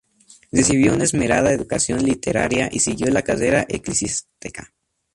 Recibió una esmerada educación literaria y siguió la carrera eclesiástica.